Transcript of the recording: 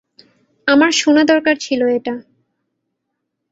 আমার শোনা দরকার ছিল এটা।